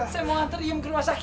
saya mau nganter iyum ke rumah sakit